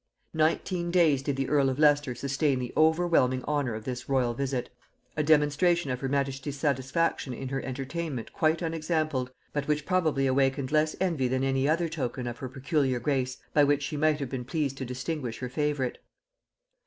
Nineteen days did the earl of Leicester sustain the overwhelming honor of this royal visit; a demonstration of her majesty's satisfaction in her entertainment quite unexampled, but which probably awakened less envy than any other token of her peculiar grace by which she might have been pleased to distinguish her favorite.